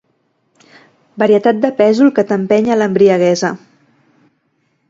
Varietat de pèsol que t'empeny a l'embriaguesa.